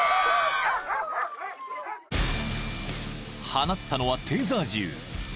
［放ったのはテーザー銃。